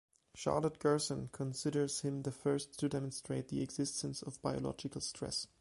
Charlotte Gerson considers him the first to demonstrate the existence of biological stress.